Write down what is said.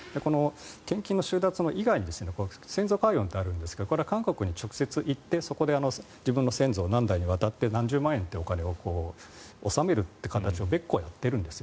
献金の収奪以外に先祖解怨ってあるんですがこれは韓国に直接行ってそこで自分の先祖何代にわたって何十万円というお金を納めるという形を別個やっているんです。